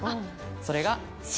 それが。